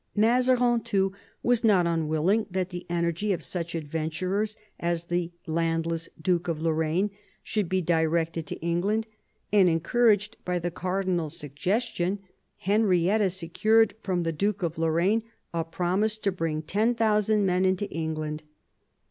Mazarin, too, was not un wiDing that the energy of such adventurers as the landless Duke of Lorraine should be directed to England ; and, encouraged by the Cardinal's suggestion, Henrietta secured from the Duke of Lorraine a promise to bring 10,000 men into England.